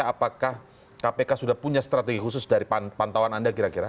apakah kpk sudah punya strategi khusus dari pantauan anda kira kira